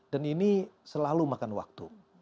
dan ini selalu makan waktu